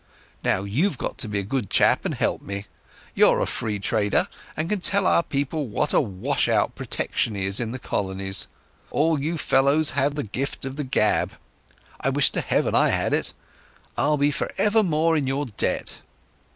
Now you've got to be a good chap and help me. You're a Free Trader and can tell our people what a wash out Protection is in the Colonies. All you fellows have the gift of the gab—I wish to Heaven I had it. I'll be for evermore in your debt."